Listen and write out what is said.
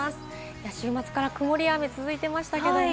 週末から曇りや雨が続いていましたけれども。